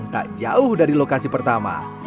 tak jauh dari lokasi pertama